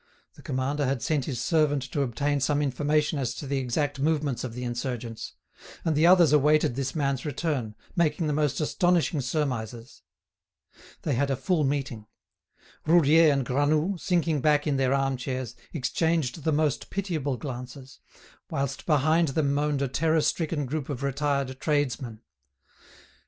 The commander had sent his servant to obtain some information as to the exact movements of the insurgents, and the others awaited this man's return, making the most astonishing surmises. They had a full meeting. Roudier and Granoux, sinking back in their arm chairs, exchanged the most pitiable glances, whilst behind them moaned a terror stricken group of retired tradesmen.